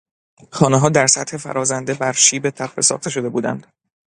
خانهها در سطوح فرازنده بر شیب تپه ساخته شده بودند.